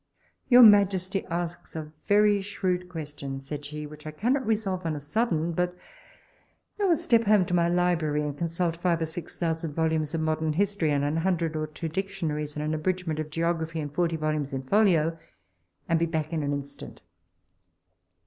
Your majesty asks a vey shrewd question, said she, which I cannot resolve on a sudden; but I will step home to my library, and consult five or six thousand volumes of modern history, an hundred or two dictionaries, and an abridgment of geography in forty volumes in folio, and be back in an instant.